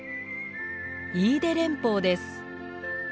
飯豊連峰です。